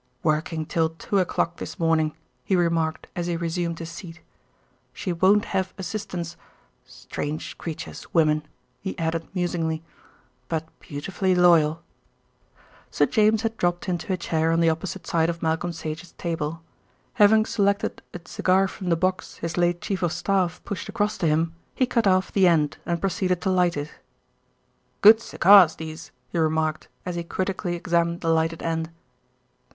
"Working till two o'clock this morning," he remarked as he resumed his seat. "She won't have assistance. Strange creatures, women," he added musingly, "but beautifully loyal." Sir James had dropped into a chair on the opposite side of Malcolm Sage's table. Having selected a cigar from the box his late chief of staff pushed across to him, he cut off the end and proceeded to light it. "Good cigars these," he remarked, as he critically examined the lighted end.